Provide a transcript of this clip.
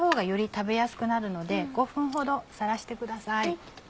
食べやすくなるので５分ほどさらしてください。